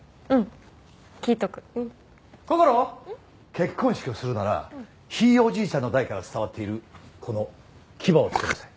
結婚式をするならひいおじいちゃんの代から伝わっているこの牙をつけなさい。